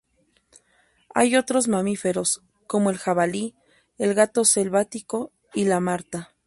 Hay otros mamíferos, como el jabalí, el gato selvático y la marta.